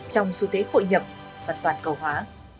trong xu thế hội nhập và toàn cầu hóa